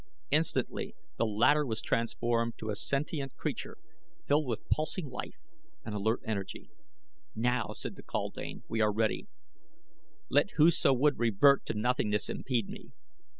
Instantly the latter was transformed to a sentient creature, filled with pulsing life and alert energy. "Now," said the kaldane, "we are ready. Let whoso would revert to nothingness impede me."